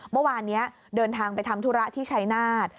เมื่อวานนี้เดินทางไปทำธุระที่ชัยนาธ